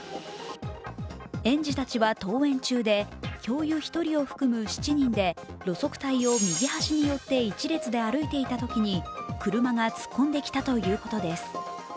園児たちは登園中で、教諭１人を含む７人で路側帯を右端に寄って１列で歩いていたときに車が突っ込んできたということです。